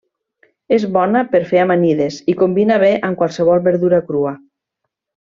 És bona per fer amanides i combina bé amb qualsevol verdura crua.